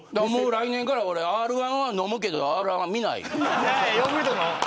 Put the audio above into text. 来年からはＲ‐１は飲むけどＲ‐１は見ない。